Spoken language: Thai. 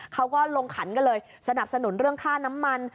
เขาก็ลงขันกันเลยสนับสนุนเรื่องค่าน้ำมัน